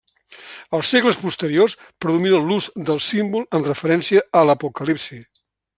Als segles posteriors predomina l'ús del símbol amb referència a l'Apocalipsi.